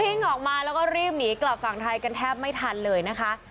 ออกมาแล้วก็รีบหนีกลับฝั่งไทยกันแทบไม่ทันเลยนะคะ